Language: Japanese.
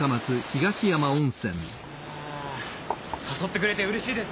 誘ってくれて嬉しいです。